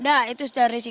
enggak itu dari situ